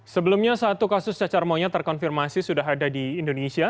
sebelumnya satu kasus cacar monyet terkonfirmasi sudah ada di indonesia